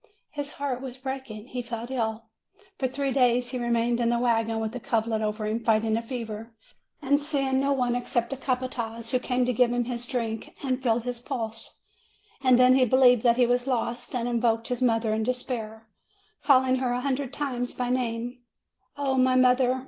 His heart was breaking. He fell ill ; for three days he remained in the wagon, with a coverlet over him, fighting a fever, and seeing no one except the capataz, who came to give him his drink and feel his pulse. And then he believed that he was lost, and invoked his mother in despair, calling her a hundred times by name: "O my mother!